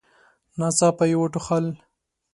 ناڅاپه يې وټوخل.